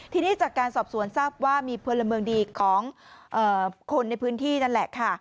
ทีนี้จากการสอบสวนทราบว่ามีพลเมืองดีของคนในพื้นที่นั่นแหละค่ะ